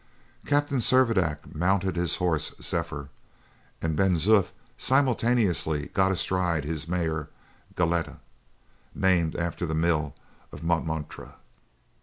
Captain Servadac mounted his horse Zephyr, and Ben Zoof simultaneously got astride his mare Galette, named after the mill of Montmartre.